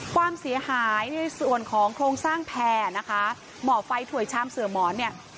ความเสียหายในส่วนของโครงสร้างแพร่นะคะหมอไฟถ่วยชามเสือหมอนเนี่ย